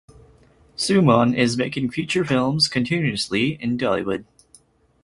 Sumon is making feature films continuously in Dhallywood.